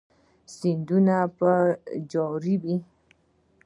سیندونه به جاری وي؟